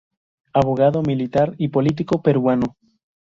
Abogado, militar y político peruano.